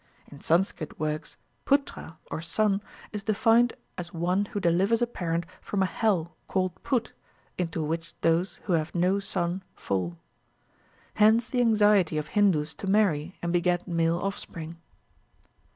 In Sanskrit works, Putra, or son, is defined as one who delivers a parent from a hell called put, into which those who have no son fall. Hence the anxiety of Hindus to marry, and beget male offspring.